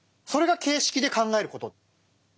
それが「形式」で考える事。